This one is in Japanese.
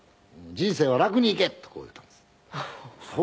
「人生は楽にいけ」とこう言うたんです。